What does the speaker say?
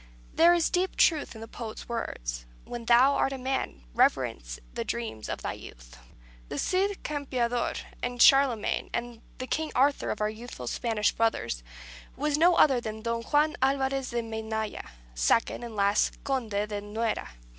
There is deep truth in the poet's words, "When thou art a man, reverence the dreams of thy youth." The Cid Campeador, the Charlemagne, and the King Arthur of our youthful Spanish brothers, was no other than Don Juan Alvarez de Menaya, second and last Conde de Nuera.